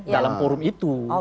dalam forum itu